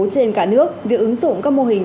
trên cả nước việc ứng dụng các mô hình